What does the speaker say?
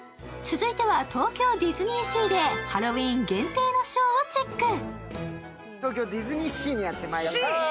続いては東京ディズニーシーでハロウィーン限定のショーをチェック。